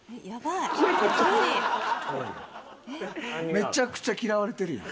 めちゃくちゃ嫌われてるやん。